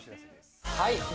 はい。